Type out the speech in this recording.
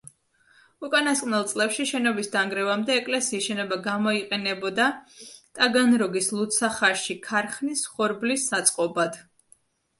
უკანასკნელ წლებში, შენობის დანგრევამდე, ეკლესიის შენობა გამოიყენებოდა ტაგანროგის ლუდსახარში ქარხნის ხორბლის საწყობად.